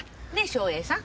祥英さん。